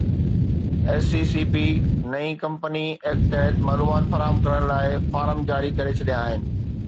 S E C P نئين company act تحت معلومات فراهم ڪرڻ لاءِ فارم جاري ڪري ڇڏيا آهن